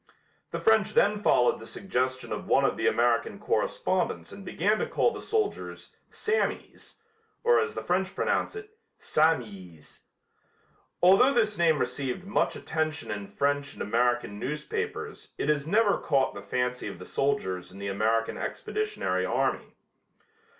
The French then followed the suggestion of one of the American correspondents and began to call the soldiers "Sammies," or as the French pronounce it, "Sammees." Although this name received much attention in French and American newspapers it has never caught the fancy of the soldiers in the American Expeditionary Army.